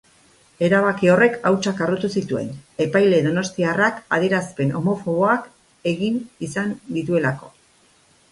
Erabaki horrek hautsak harrotu zituen, epaile donostiarrak adierazpen homofoboak egin izan dituelako.